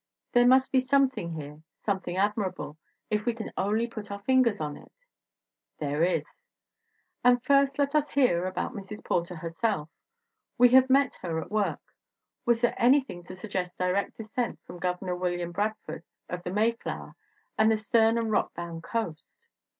There must be something here, something admirable, if we can only put our fingers on it! There is. And first let us hear about Mrs. Porter herself. We have met her at work. Was there anything to suggest direct descent from Governor William Brad ford of the Mayflower and the ' 'stern and rockbound coast"?